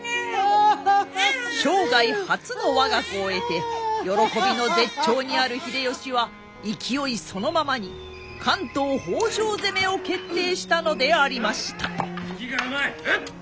生涯初の我が子を得て喜びの絶頂にある秀吉は勢いそのままに関東北条攻めを決定したのでありました。